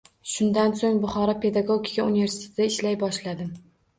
Shundan so’ng Buxoro pedagogika uneversitetida ishlay boshladim.